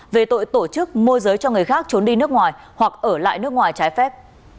về tội tổ chức môi giới cho người khác trốn đi nước ngoài hoặc ở lại nước ngoài trái phép